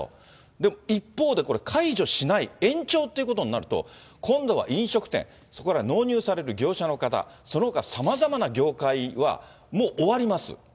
でも一方で、これ、解除しない、延長ということになると、今度は飲食店、それから納入される業者の方、そのほかさまざまな業界は、もう、終わります。